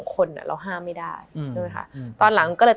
มันทำให้ชีวิตผู้มันไปไม่รอด